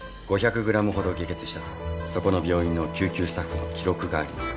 ５００ｇほど下血したとそこの病院の救急スタッフの記録があります。